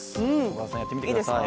小川さん、やってみてください。